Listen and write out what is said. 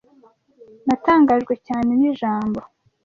Natangajwe cyane nijambo.